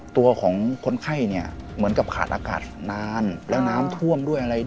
ตัวของคนไข้เนี่ยเหมือนกับขาดอากาศนานแล้วน้ำท่วมด้วยอะไรด้วย